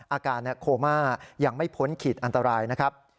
อาการโคม่ายังไม่พ้นขีดอันตรายนะครับ